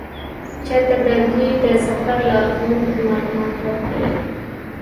چا ته د دوی د سفر لارښوونکي معلومات ورکوي.